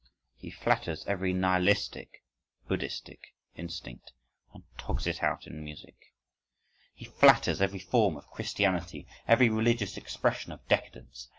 He flatters every nihilistic (Buddhistic) instinct and togs it out in music; he flatters every form of Christianity, every religious expression of decadence.